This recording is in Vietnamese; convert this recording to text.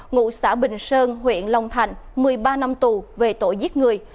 ngụ xã bình sơn huyện long thành một mươi ba năm tù về tội giết người